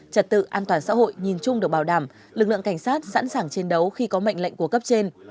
trật tự an toàn xã hội nhìn chung được bảo đảm lực lượng cảnh sát sẵn sàng chiến đấu khi có mệnh lệnh của cấp trên